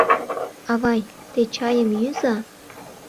Авай, те чайым йӱза.